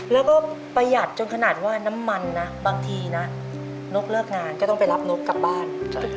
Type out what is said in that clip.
แล้วก็ประหยัดจนขนาดว่าน้ำมันนะบางทีนะนกเลิกงานก็ต้องไปรับนกกลับบ้าน